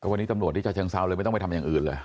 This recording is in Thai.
วันนี้ตำรวจที่จะเชิงเซาเลยไม่ต้องไปทำอย่างอื่นเลย